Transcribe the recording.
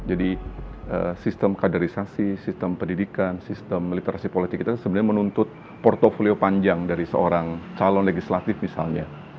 jadi sistem kaderisasi sistem pendidikan sistem literasi politik kita sebenarnya menuntut portofolio panjang dari seorang calon legislatif misalnya